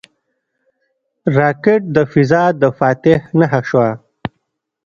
راکټ د فضا د فاتح نښه شوه